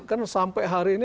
kan sampai hari ini